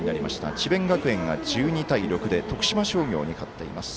智弁学園が１２対６で徳島商業に勝っています。